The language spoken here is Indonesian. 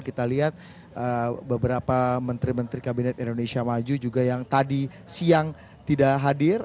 kita lihat beberapa menteri menteri kabinet indonesia maju juga yang tadi siang tidak hadir